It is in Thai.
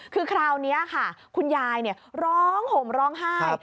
คือคราวนี้ค่ะคุณยายร้องห่มร้องไห้